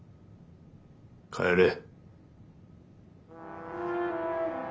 帰れ。